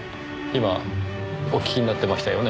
今お聞きになってましたよねぇ？